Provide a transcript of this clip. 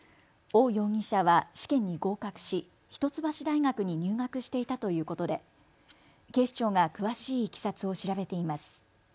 王容疑者は試験に合格し一橋大学に入学していたということで警視庁が詳しいいきさつを調べています。